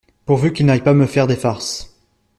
Pourvu qu’il n’aille pas me faire des farces…